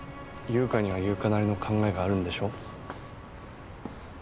優香には優香なりの考えがあるんでしょ？